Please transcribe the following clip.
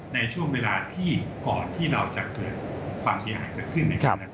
ในช่วงเวลาที่ก่อนที่เราจะเกิดความเสียหายเกิดขึ้น